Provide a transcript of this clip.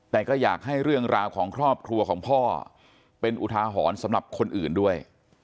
แต่ก็อยากให้เรื่องราวของครอบครัวของพ่อเป็นอุทาหรณ์สำหรับคนอื่นด้วย